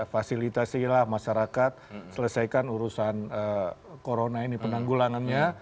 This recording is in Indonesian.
fasilitasilah masyarakat selesaikan urusan corona ini penanggulangannya